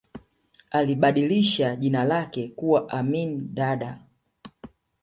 alibadilisha jina lake kuwa amin dada